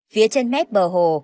phía trên mép bờ hồ